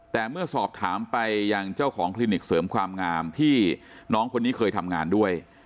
แต่เมื่อสอบถามไปยังเจ้าของคลินิกเสริมความงามที่น้องคนนี้เคยทำงานด้วย